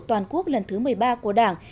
toàn quốc lần thứ một mươi ba của đảng